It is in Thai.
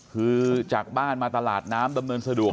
คือจากบ้านมาตลาดน้ำดำเนินสะดวก